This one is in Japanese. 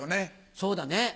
そうだね。